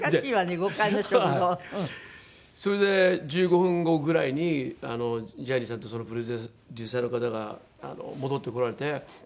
それで１５分後ぐらいにジャニーさんとそのプロデューサーの方が戻ってこられて。